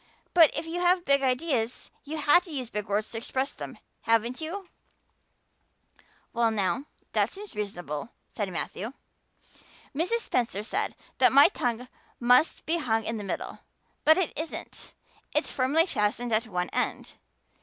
But if you have big ideas you have to use big words to express them, haven't you?" "Well now, that seems reasonable," said Matthew. "Mrs. Spencer said that my tongue must be hung in the middle. But it isn't it's firmly fastened at one end.